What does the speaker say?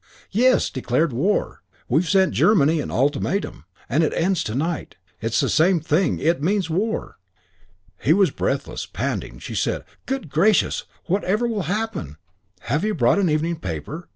"Yes, declared war. We've sent Germany an ultimatum. It ends to night. It's the same thing. It means war." He was breathless, panting. She said, "Good gracious! Whatever will happen? Have you brought an evening paper?